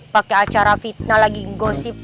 pakai acara fitnah lagi gosip